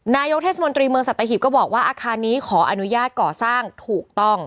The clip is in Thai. นายกเทศมนตรีเมืองสัตหิบก็บอกว่าอาคารนี้ขออนุญาตก่อสร้างถูกต้อง